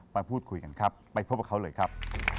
ไปพูดคุยกันครับไปพบกับเขาเลยครับ